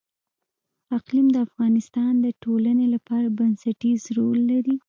اقلیم د افغانستان د ټولنې لپاره بنسټيز رول لري.